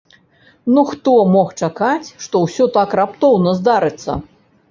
Ну хто мог чакаць, што ўсё так раптоўна здарыцца?